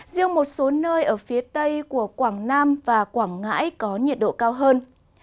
riêng một số nơi ở phía tây của quảng nam và quảng ngãi có nhiệt độ cao hơn